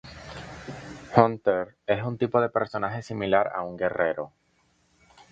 Hunter: Es un tipo de personaje similar a un guerrero.